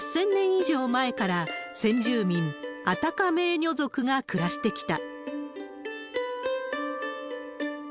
以上前から先住民、アタカメーニョ族が暮らしてきた。